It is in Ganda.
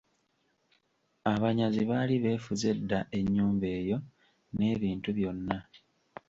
Abanyazi baali beefuze dda ennyumba eyo, n'ebintu byonna.